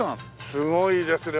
すごいですね。